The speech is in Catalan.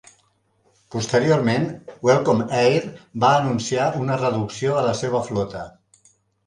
Posteriorment, Welcome Air va anunciar una reducció de la seva flota.